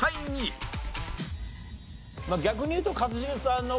逆に言うと。